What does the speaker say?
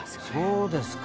そうですか。